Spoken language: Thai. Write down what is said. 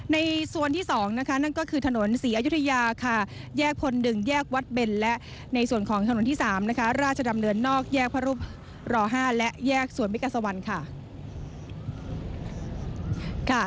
ในส่วนที่๒นะคะนั่นก็คือถนนศรีอยุธยาค่ะแยกพล๑แยกวัดเบนและในส่วนของถนนที่๓นะคะราชดำเนินนอกแยกพระรูปร๕และแยกสวนมิกาสวรรค์ค่ะ